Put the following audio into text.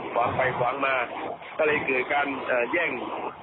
ขวางไปขวางมาก็เลยเกิดการแย่ง